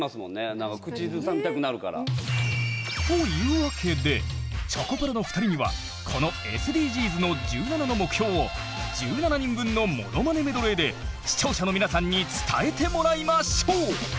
何か口ずさみたくなるから。というわけでチョコプラの２人にはこのＳＤＧｓの１７の目標を１７人分のものまねメドレーで視聴者の皆さんに伝えてもらいましょう。